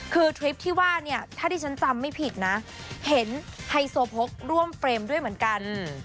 คือทริปที่ว่าเนี่ยถ้าที่ฉันจำไม่ผิดนะเห็นไฮโซโพกร่วมเฟรมด้วยเหมือนกัน